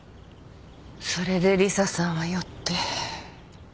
それでリサさんは酔って。